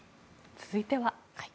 続いては。